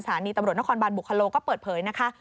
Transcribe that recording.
นีตำรวจนครบันบุคโลก็เปิดเผยนะคะ